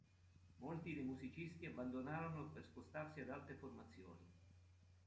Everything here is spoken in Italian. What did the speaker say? Molti dei musicisti abbandonarono per spostarsi ad altre formazioni.